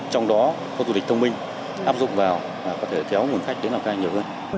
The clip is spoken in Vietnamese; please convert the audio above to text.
trong đó khu du lịch thông minh áp dụng vào có thể kéo nguồn khách đến lào cai nhiều hơn